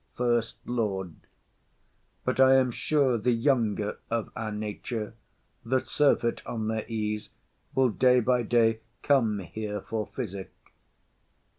FIRST LORD. But I am sure the younger of our nature, That surfeit on their ease, will day by day Come here for physic.